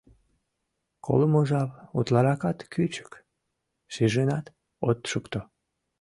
Колымо жап утларакат кӱчык — шижынат от шукто...